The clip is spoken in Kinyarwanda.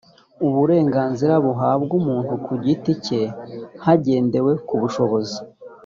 uburenganzira buhabwa umuntu ku giti cye hagendewe ku bushobozi